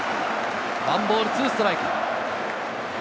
１ボール２ストライク。